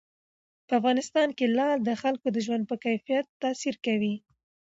په افغانستان کې لعل د خلکو د ژوند په کیفیت تاثیر کوي.